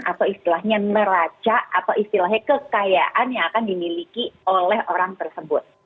atau istilahnya neraca atau istilahnya kekayaan yang akan dimiliki oleh orang tersebut